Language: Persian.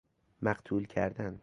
مقتول کردن